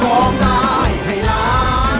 กลัวร้องได้ให้ร้าน